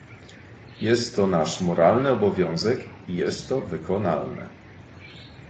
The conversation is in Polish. Jest to nasz moralny obowiązek i jest to wykonalne